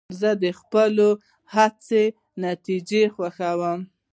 زه د خپلو هڅو نتیجه خوښوم.